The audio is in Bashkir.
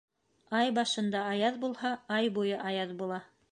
Ай башында аяҙ булһа, ай буйы аяҙ була.